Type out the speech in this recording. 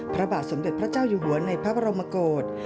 พระบาทสมเด็จพระเจ้าอยู่หัวในพระบรมกฏ